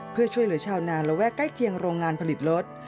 เพื่อช่วยเหลือชาวนานระแวกใกล้เคียงโรงงานผลิตรถ